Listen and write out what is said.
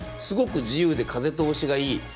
すごく自由で風通しがいい。